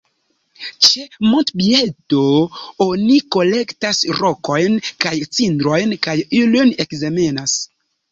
Ĉe montpiedo oni kolektas rokojn kaj cindrojn kaj ilin ekzamenas.